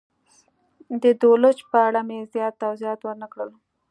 د دولچ په اړه مې زیات توضیحات ور نه کړل.